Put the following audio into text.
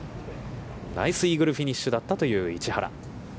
ナイスイーグルフィニッシュだったという市原。